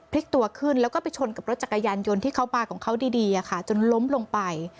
ตัวขึ้นแล้วก็ไปชนกับรถจักรยานยนต์ที่เขามาของเขาดีจนล้มลงไป